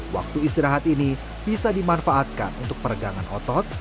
waktu istirahat ini bisa dimanfaatkan untuk peregangan otot